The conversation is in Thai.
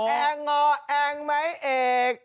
อ๋อแอ่งงอแอ่งไหมแอ่ง